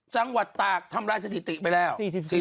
จังหวัดตากทำลายสถิติไปแล้ว